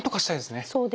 そうですね。